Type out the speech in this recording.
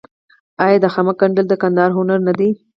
آیا د خامک ګنډل د کندهار هنر نه دی؟